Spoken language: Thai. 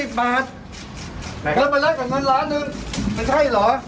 ก็ไปเล่นกับเงินล้านหนึ่งไม่ใช่เหรอ